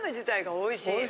おいしい。